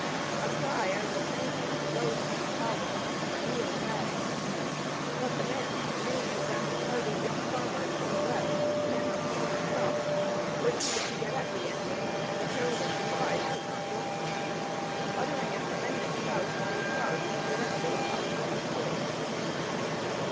A cry as of anguish arose from the column and it reeled back, but the men, many of them hardy young farmers from the West, men of staunch stuff, were eager to get at the enemy and the terrible surprise could not daunt them. Uttering a tremendous shout they charged directly upon the Southern force.